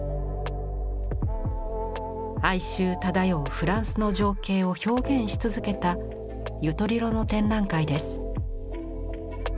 哀愁漂うフランスの情景を表現し続けたユトリロの展覧会です。